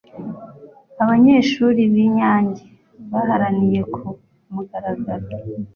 abanyeshuri b'i nyange baharaniye ku mugaragaro